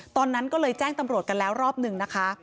ตอนนั้นก็เลยแจ้งตำรวจกันแล้วรอบหนึ่งนะคะ